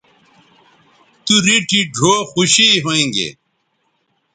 تو ریٹھی ڙھؤ خوشی ھویں گے